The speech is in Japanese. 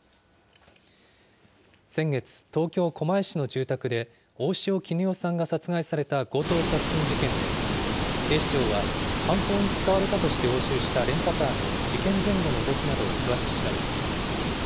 先月、東京・狛江市の住宅で大塩衣與さんが殺害された強盗殺人事件で、警視庁は、犯行に使われたとして押収したレンタカーの事件前後の動きなどを詳しく調べています。